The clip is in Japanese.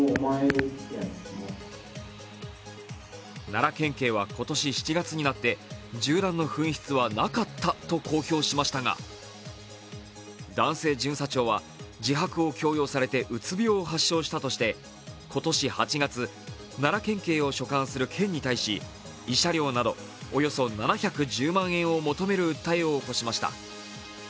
奈良県警は今年７月になって銃弾の紛失はなかったと公表しましたが、男性巡査長は自白を強要されてうつ病を発症したとして今年８月、奈良県警を所管する県に対し慰謝料などおよそ７１０万円を求める訴えを起こしました。